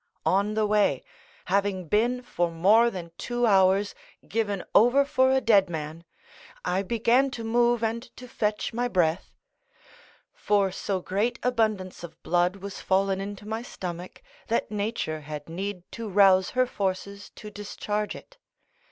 On the way, having been for more than two hours given over for a dead man, I began to move and to fetch my breath; for so great abundance of blood was fallen into my stomach, that nature had need to rouse her forces to discharge it.